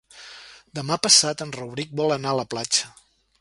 Demà passat en Rauric vol anar a la platja.